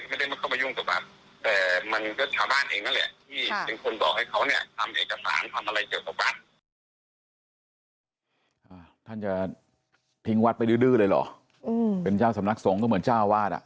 คือโยงคนนี้มันก็ไม่ได้เข้ามายุ่งกับบ้านแต่มันก็ชาวบ้านเองนั่นแหละ